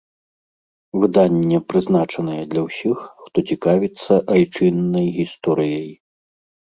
Выданне прызначанае для ўсіх, хто цікавіцца айчыннай гісторыяй.